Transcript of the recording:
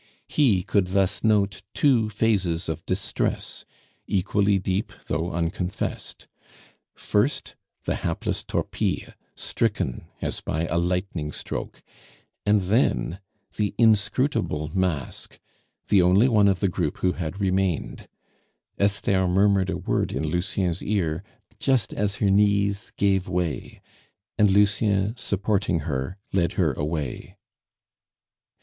He could thus note two phases of distress equally deep though unconfessed; first, the hapless Torpille, stricken as by a lightning stroke, and then the inscrutable mask, the only one of the group who had remained. Esther murmured a word in Lucien's ear just as her knees gave way, and Lucien, supporting her, led her away.